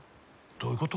どういうこと？